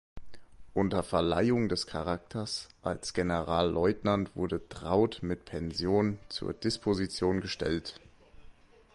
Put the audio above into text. Unter Verleihung des Charakters als Generalleutnant wurde Draudt mit Pension zur Disposition gestellt.